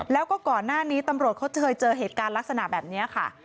แล้วก็ก่อนหน้านี้ตำรวจเขาเคยเจอเหตุการณ์ลักษณะแบบนี้ค่ะ